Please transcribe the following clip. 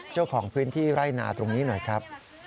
เจ้าของพื้นที่ไร่นาตรงนี้หน่อยครับ